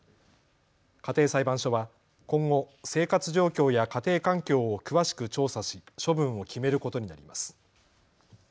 家庭裁判所は今後、生活状況や家庭環境を詳しく調査し処分を決めることになります。